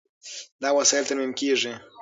دا وسایل ترمیم کېږي.